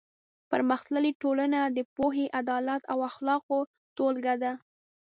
پرمختللې ټولنه د پوهې، عدالت او اخلاقو ټولګه ده.